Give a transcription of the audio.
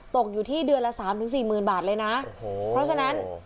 ตกอยู่ที่เดือนละสามถึงสี่หมื่นบาทเลยนะเพราะฉะนั้น